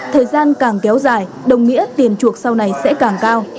thời gian càng kéo dài đồng nghĩa tiền chuộc sau này sẽ càng cao